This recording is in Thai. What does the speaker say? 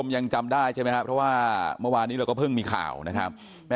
ยังจำได้ใช่ไหมครับเพราะว่าเมื่อวานนี้เราก็เพิ่งมีข่าวนะครับ